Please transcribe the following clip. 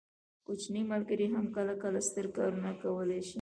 کوچني ملګري هم کله کله ستر کارونه کولی شي.